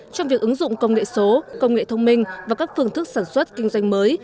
trong việc ứng dụng công nghệ số công nghệ thông minh và các phương thức sản xuất kinh doanh mới